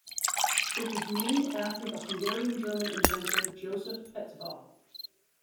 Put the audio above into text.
It was namer after the Hungarian-German inventor Joseph Petzval.